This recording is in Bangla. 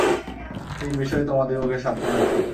এই বিষয়ে তোমাদিগকে সাবধান হইতে হইবে।